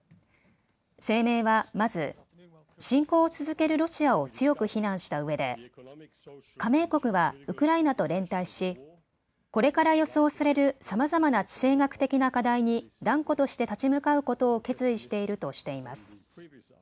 声明はまず、侵攻を続けるロシアを強く非難したうえで、加盟国はウクライナと連帯しこれから予想されるさまざまな地政学的な課題に断固として立ち向かうことを決意しているとしています。